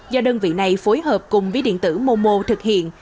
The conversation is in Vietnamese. do đơn vị này phối hợp cùng ví điện tử momo thực hiện